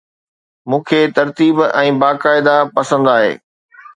مون کي ترتيب ۽ باقاعده پسند آهي